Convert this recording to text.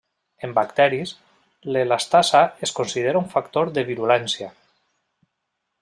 En bacteris, l'elastasa es considera un factor de virulència.